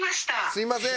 すみません。